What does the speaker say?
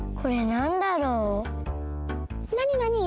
なになに？